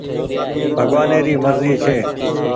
ڀگوآني ري مرزي ڇي